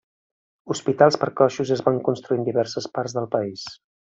Hospitals per coixos es van construir en diverses parts del país.